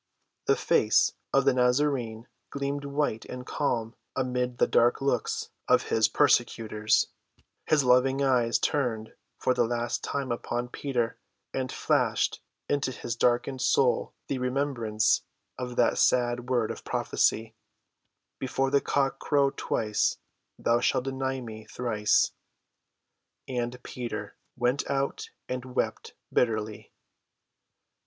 The face of the Nazarene gleamed white and calm amid the dark looks of his persecutors; his loving eyes turned for the last time upon Peter and flashed into his darkened soul the remembrance of that sad word of prophecy: "Before the cock crow twice, thou shalt deny me thrice." And Peter went out and wept bitterly.